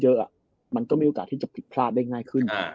แต่ทีมรอดยิ่งเยอะมันก็มีโอกาสที่จะผิดพลาดได้ง่ายขึ้น